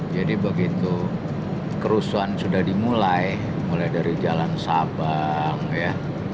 jadi begitu kerusuhan sudah dimulai mulai dari jalan sabang ya